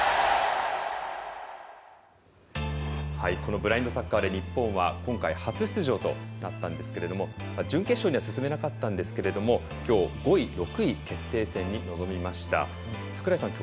ブラインドサッカーは日本は今回初出場となったんですけれども準決勝には進めなかったんですがきょう５位、６位決定戦になりました。